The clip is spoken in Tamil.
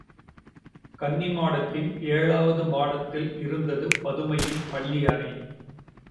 கன்னிமாடத்தின் ஏழாவது மாடத்தில் இருந்தது பதுமையின் பள்ளியறை.